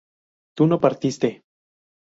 tú no partiste